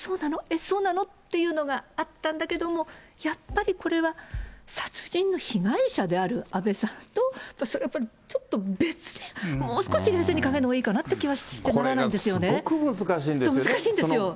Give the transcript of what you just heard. そうなの？というのがあったんだけども、やっぱりこれは殺人の被害者である安倍さんと、それはやっぱりちょっと別で、もう少し冷静に考えるのもいいかなっていう気がしてならないんでこれすごく難しいんですよね。